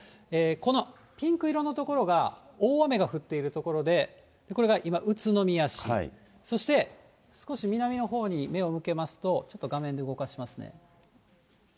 このピンク色の所が大雨が降っている所で、これが今、宇都宮市、そして少し南のほうに目を向けますと、ちょっと画面で動かしますね。